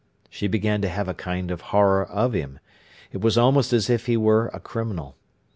She began to have a kind of horror of him. It was almost as if he were a criminal.